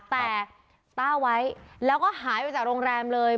แต่ต้าไว้แล้วก็หายไปจากโรงแรมเลย